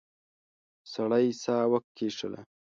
سړی ساه وکیښله.